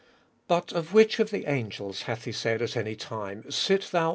13. But of which of the angels hath he said at any time, Sit thou.